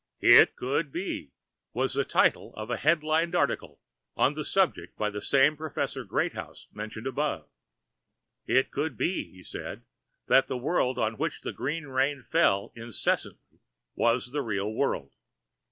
"It could be" was the title of a headlined article on the subject by the same Professor Greathouse mentioned above. It could be, he said, that the world on which the green rain fell incessantly was the real world.